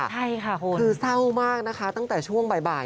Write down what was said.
ใช่ค่ะคุณคือเศร้ามากนะคะตั้งแต่ช่วงบ่าย